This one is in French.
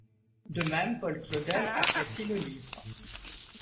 De même, Paul Claudel apprécie le livre.